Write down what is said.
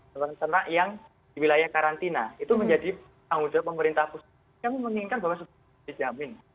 makanan terak yang di wilayah karantina itu menjadi pengundang pemerintah pusat yang menginginkan bahwa sebuah kebutuhan itu dijamin